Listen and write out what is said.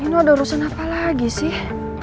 ini ada urusan apa lagi sih